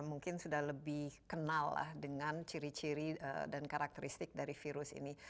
mungkin sudah lebih kenal lah dengan ciri ciri dan karakteristik dari virus ini